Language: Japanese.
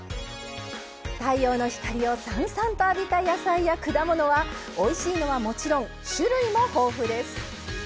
太陽の光をさんさんと浴びた野菜や果物はおいしいのはもちろん種類も豊富です。